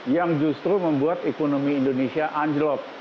yang justru membuat ekonomi indonesia anjlok